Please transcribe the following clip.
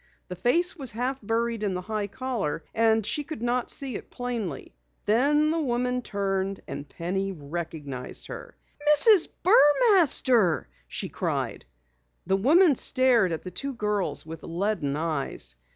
The face was half buried in the high collar, and she could not see it plainly. Then the woman turned, and Penny recognized her. "Mrs. Burmaster!" she cried. The woman stared at the two girls with leaden eyes.